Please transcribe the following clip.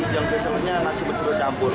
yang biasanya nasi betul campur